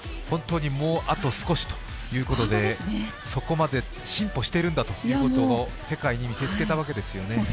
本当にもうあと少しというところでそこまで進歩しているんだということを世界に見せつけたわけですよね。